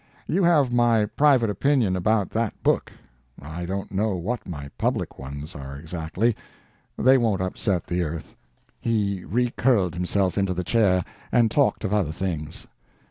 You have my private opinion about that book. I don't know what my public ones are exactly. They won't upset the earth." He recurled himself into the chair and talked of other things.